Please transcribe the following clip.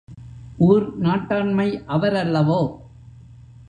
ஊர் நாட்டாண்மை அவரல்லவோ?